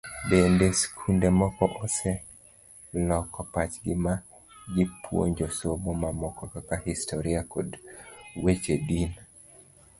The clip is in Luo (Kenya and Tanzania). Bende, skunde moko oseloko pachgi ma gipuonjo somo mamoko kaka Histori kod weche din.